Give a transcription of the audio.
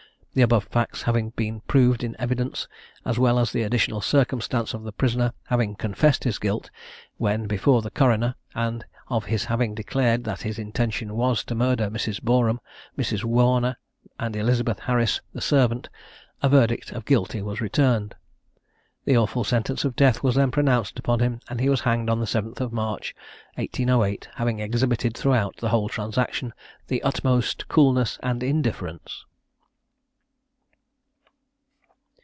The above facts having been proved in evidence, as well as the additional circumstance of the prisoner having confessed his guilt when before the coroner, and of his having declared that his intention was to murder Mrs. Boreham, Mrs. Warner, and Elizabeth Harris the servant, a verdict of Guilty was returned. The awful sentence of death was then pronounced upon him, and he was hanged on the 7th of March, 1808, having exhibited throughout the whole transaction the utmost coolness and indifference.